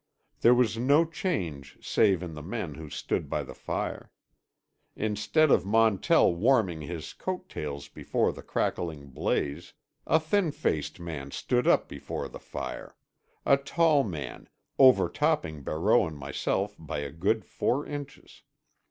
There was no change save in the men who stood by the fire. Instead of Montell warming his coat tails before the crackling blaze, a thin faced man stood up before the fire; a tall man, overtopping Barreau and myself by a good four inches.